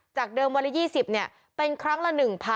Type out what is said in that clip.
จากเดิมวันละ๒๐เป็นครั้งละ๑๐๐๐๒๐๐๐๔๐๐๐